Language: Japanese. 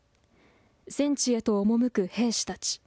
戦地へと赴く兵士たち。